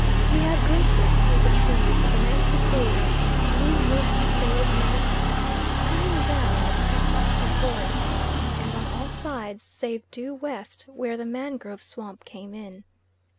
We had glimpses through the trees of an amphitheatre of blue mist veiled mountains coming down in a crescent before us, and on all sides, save due west where the mangrove swamp came in.